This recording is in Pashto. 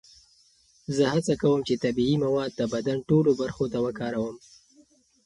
زه هڅه کوم چې طبیعي مواد د بدن ټولو برخو ته وکاروم.